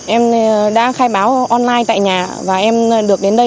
em đã khai báo online tại nhà và em được đến đây